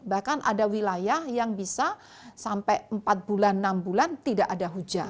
bahkan ada wilayah yang bisa sampai empat bulan enam bulan tidak ada hujan